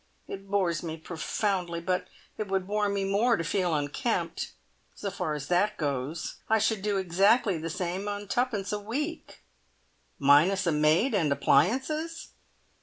It bores me profoundly, but it would bore me more to feel unkempt. So far as that goes, I should do exactly the same on twopence a week!" "Minus a maid and appliances?"